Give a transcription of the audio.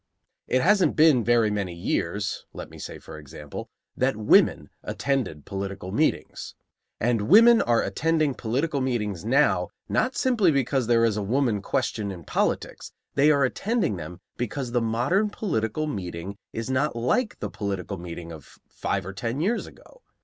It hasn't been very many years, let me say for example, that women attended political meetings. And women are attending political meetings now not simply because there is a woman question in politics; they are attending them because the modern political meeting is not like the political meeting of five or ten years ago.